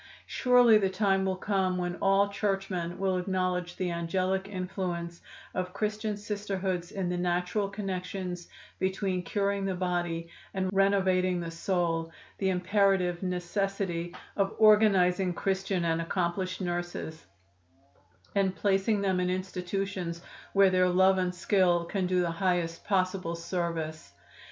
Surely the time will come when all churchmen will acknowledge the angelic influence of Christian Sisterhoods in the natural connections between curing the body and renovating the soul, the imperative necessity of organizing Christian and accomplished nurses and placing them in institutions where their love and skill can do the highest possible service."